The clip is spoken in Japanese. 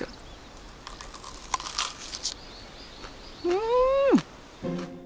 うん！